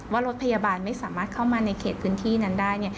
ว่ารถพยาบาลไม่สามารถเข้ามาในเขตพื้นที่นั้นได้